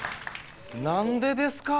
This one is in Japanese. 何でですか？